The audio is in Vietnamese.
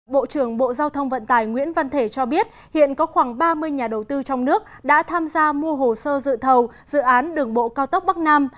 bộ trưởng bộ giao thông vận tải nguyễn văn thể cho biết hiện có khoảng ba mươi nhà đầu tư trong nước đã tham gia mua hồ sơ dự thầu dự án đường bộ cao tốc bắc nam